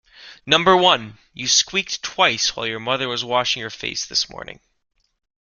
Number one: you squeaked twice while your mother was washing your face this morning.